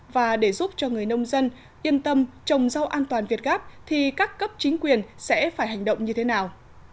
và để giúp cho người nông dân yên tâm trồng rau an toàn việt gáp thì các cấp chính quyền sẽ phải hành động như thế nào